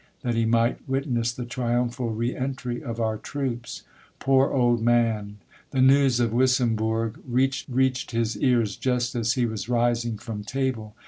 That he might witness the triumphal re entry of our troops. Poor old man ! The news of Wissembourg reached his ears just as he was rising from table.